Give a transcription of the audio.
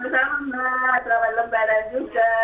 sama sama selamat lebaran juga